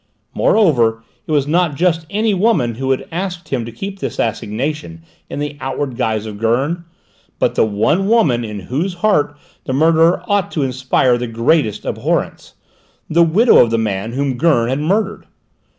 Moreover, it was not just any woman who had asked him to keep this assignation in the outward guise of Gurn, but the one woman in whose heart the murderer ought to inspire the greatest abhorrence, the widow of the man whom Gurn had murdered.